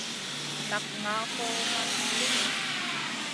Nak ŋaʼa kò ma nak luma.